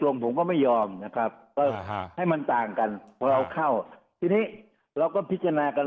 ผมก็ไม่ยอมนะครับก็ให้มันต่างกันพอเราเข้าทีนี้เราก็พิจารณากัน